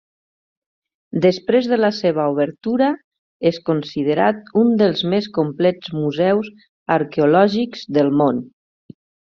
Després de la seva obertura, és considerat un dels més complets museus arqueològics del món.